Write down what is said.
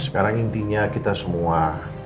sekarang intinya kita semua